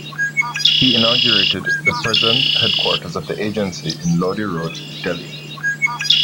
He inaugurated the present headquarters of the agency in Lodhi Road, Delhi.